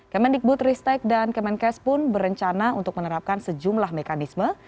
kemenikbud riset tek dan kemenkes pun berencana untuk menerapkan sejumlah mekanisme